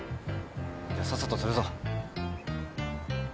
じゃさっさと釣るぞ。